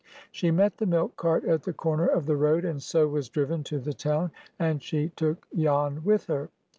She met the milk cart at the corner of the road, and so was driven to the town, and she took Jan with her.